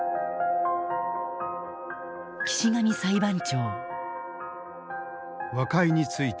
岸上裁判長。